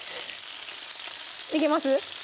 いけます？